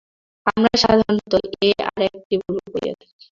আমরা সাধারণত এই আর একটি ভুল করিয়া থাকি।